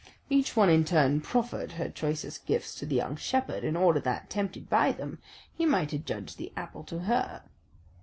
Each one in turn proffered her choicest gifts to the young shepherd, in order that, tempted by them, he might adjudge the apple to her.